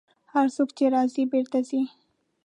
هر څوک چې راځي، بېرته ځي.